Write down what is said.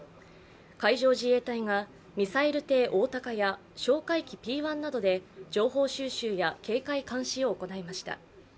海上自衛隊がミサイル艇「おおたか」や哨戒機Ｐ−１などで情報収集や警戒監視を行いました。